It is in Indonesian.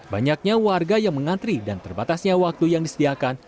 banyaknya warga yang mengantri dan terbatasnya waktu yang disediakan